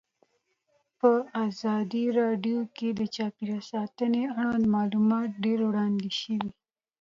په ازادي راډیو کې د چاپیریال ساتنه اړوند معلومات ډېر وړاندې شوي.